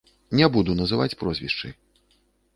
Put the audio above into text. Не буду называць прозвішчы.